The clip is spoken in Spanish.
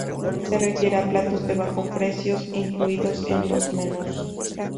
Se refiere a platos de bajo precio incluidos en los menús.